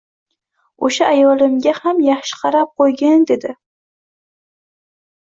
Oʻsha ayolimga ham yaxshi qarab qoʻygin dedi.